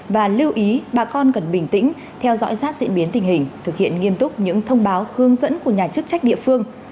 và lưu ý bà con cần bình tĩnh theo dõi sát diễn biến tình hình thực hiện nghiêm túc những thông báo hướng dẫn của nhà chức trách địa phương